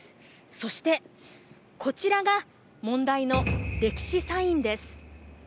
そして、こちらが問題の歴史サインです。